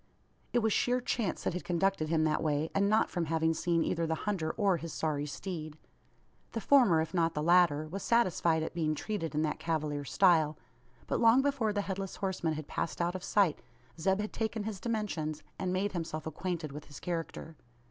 It was sheer chance that had conducted him that way; and not from having seen either the hunter or his sorry steed. The former if not the latter was satisfied at being treated in that cavalier style; but, long before the Headless Horseman had passed out of sight, Zeb had taken his dimensions, and made himself acquainted with his character.